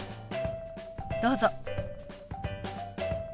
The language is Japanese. どうぞ。